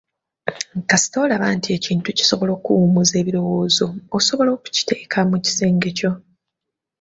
Kasita olaba nti ekintu kisobola okukuwummuza ebirowoozo osobola okukiteeka mu kisenge kyo.